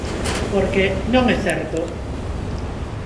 Porque ¡non é certo!